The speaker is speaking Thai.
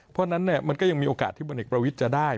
เพราะฉะนั้นมันก็ยังมีโอกาสที่พลเอกประวิทย์จะได้